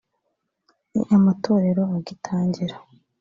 ni amatorero agitangira